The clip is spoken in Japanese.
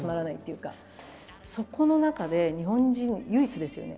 そこの中で日本人唯一ですよね。